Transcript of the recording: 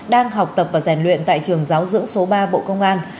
đang học tập và rèn luyện tại trường giáo dưỡng số ba bộ công an